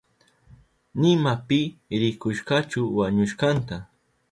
Nima pi rikushkachu wañushkanta.